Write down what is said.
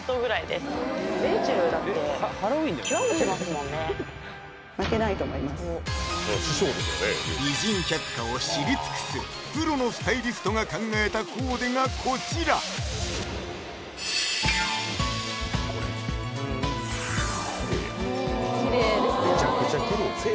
もう「美人百花」を知り尽くすプロのスタイリストが考えたコーデがこちらきれいきれいですよね